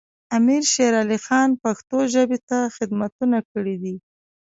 امیر شیر علی خان پښتو ژبې ته خدمتونه کړي دي.